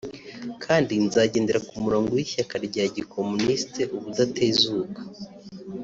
kandi nzagendera mu murongo w’ishyaka rya gikomunisiti ubudatezuka